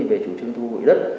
về chủ trương thu hồi đất